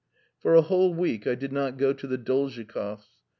For a whole week I did not go to the Dolzhikovs*.